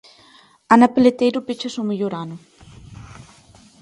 Ana Peleteiro pecha o seu mellor ano.